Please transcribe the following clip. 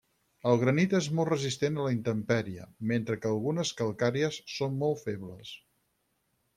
El granit és molt resistent a la intempèrie, mentre que algunes calcàries són molt febles.